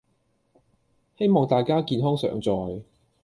希望大家健康常在